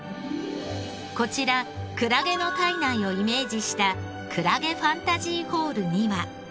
こちらクラゲの体内をイメージしたクラゲファンタジーホールには。